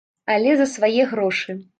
Але за свае грошы.